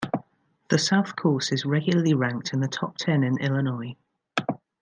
The South Course is regularly ranked in the top ten in Illinois.